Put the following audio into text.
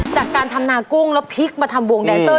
จากการทำนากุ้งแล้วพลิกมาทำวงแดนเซอร์